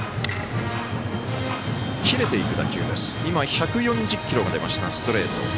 １４０キロが出ましたストレート。